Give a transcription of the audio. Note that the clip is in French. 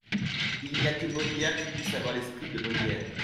Il n’y a que Molière qui puisse avoir l’esprit de Molière.